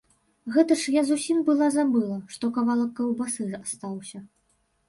Гэта ж я зусім была забыла, што кавалак каўбасы астаўся.